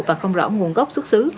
và không rõ nguồn gốc xuất xứ